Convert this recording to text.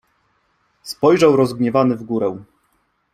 Spojrzał rozgniewany w górę.